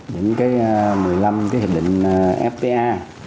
những một mươi năm hiệp định fta